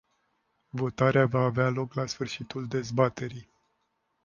Votarea va avea loc la sfârșitul dezbaterii.